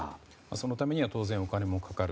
そのためには当然お金もかかる。